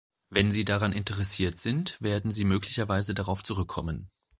Wenn sie daran interessiert sind, werden sie möglicherweise darauf zurückkommen.